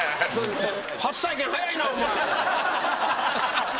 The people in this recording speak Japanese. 初体験早いなお前。